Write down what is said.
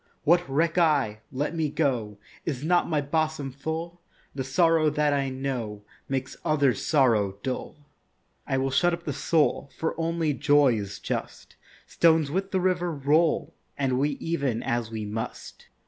What reck I? Let me go. Is not my bosom full? The sorrow that I know Makes others' sorrow dull. I will shut up the soul, For only joy is just. Stones with the river roll, And we ev'n as we must.